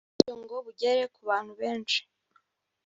bityo ngo bugere ku bantu benshi